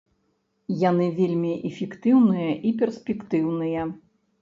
Яны вельмі эфектыўныя і перспектыўныя.